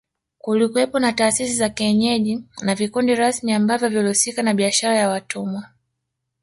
Kulikuwepo na taasisi za kienyeji na vikundi rasmi ambavyo vilihusika na biashara ya watumwa